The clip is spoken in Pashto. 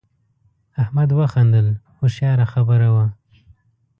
احمد وخندل هوښیاره خبره وه.